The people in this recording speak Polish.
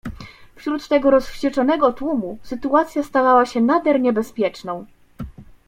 "Wśród tego rozwścieczonego tłumu sytuacja stawała się nader niebezpieczną."